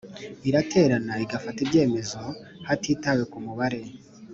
Iraterana igafata ibyemezo hatitawe ku mubare